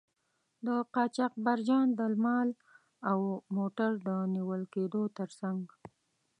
د قاچاقبرجان د مال او موټر د نیول کیدو تر څنګه.